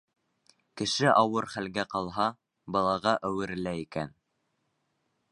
Кеше ауыр хәлгә ҡалһа, балаға әүерелә икән.